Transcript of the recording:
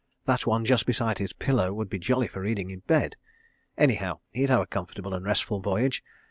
That one just beside his pillow would be jolly for reading in bed. Anyhow, he'd have a comfortable and restful voyage.